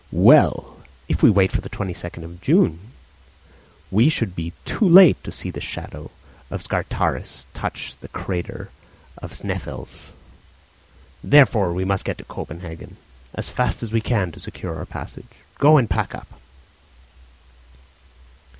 "Well, if we waited for the 22nd June we should be too late to see the shadow of Scartaris touch the crater of Sneffels. Therefore we must get to Copenhagen as fast as we can to secure our passage. Go and pack up."